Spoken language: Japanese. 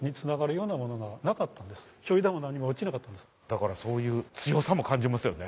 だからそういう強さも感じますよね。